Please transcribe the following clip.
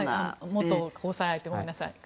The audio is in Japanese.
元交際相手でしたごめんなさい。